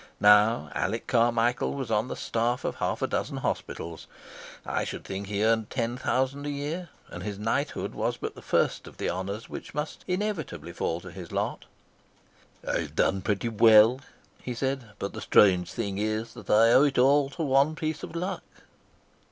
Now Alec Carmichael was on the staff of half a dozen hospitals. I should think he earned ten thousand a year, and his knighthood was but the first of the honours which must inevitably fall to his lot. "I've done pretty well," he said, "but the strange thing is that I owe it all to one piece of luck."